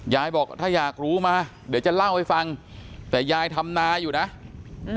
บอกถ้าอยากรู้มาเดี๋ยวจะเล่าให้ฟังแต่ยายทำนาอยู่นะ